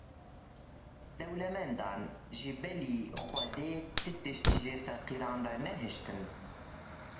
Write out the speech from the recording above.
Dewlemendan, ji bilî Xwedê ti tişt ji feqîran re nehiştin.